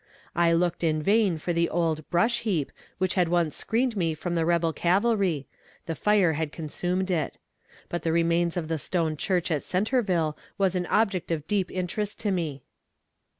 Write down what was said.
I looked in vain for the old "brush heap" which had once screened me from the rebel cavalry; the fire had consumed it. But the remains of the Stone Church at Centerville was an object of deep interest to me.